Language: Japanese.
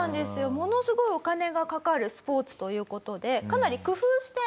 ものすごいお金がかかるスポーツという事で。